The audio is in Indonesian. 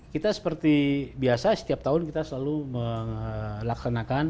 kita seperti biasa setiap tahun kita selalu melaksanakan